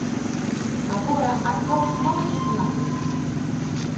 Agora hai dous novos escenarios.